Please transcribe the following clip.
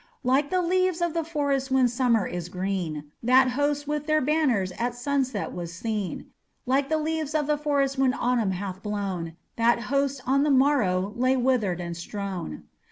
Like the leaves of the forest when summer is green, That host with their banners at sunset were seen; Like the leaves of the forest when autumn hath blown, That host on the morrow lay withered and strown.